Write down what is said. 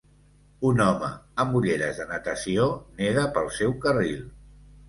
Un home amb ulleres de natació neda pel seu carril